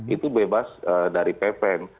itu bebas dari ppn